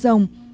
giữa là đường